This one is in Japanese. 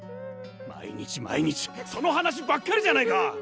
毎日毎日その話ばっかりじゃないか！